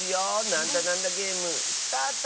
「なんだなんだゲーム」スタート！